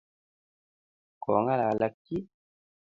Kongalal ak chi?